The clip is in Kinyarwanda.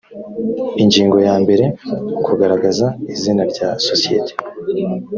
ingingo ya mbere kugaragaza izina rya sosiyete